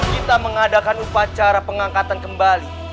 kita mengadakan upacara pengangkatan kembali